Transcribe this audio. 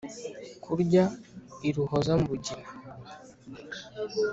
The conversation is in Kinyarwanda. Kurya iruhoza mu rugina